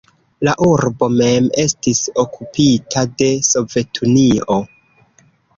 La urbo mem estis okupita de Sovetunio.